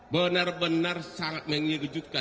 benar benar sangat mengejutkan